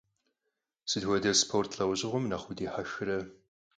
Sıt xuede sport lh'eujığuem nexh vudihexre?